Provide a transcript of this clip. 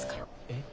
え？